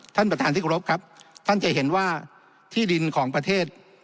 ท่านประธานที่กรบครับท่านจะเห็นว่าที่ดินของประเทศ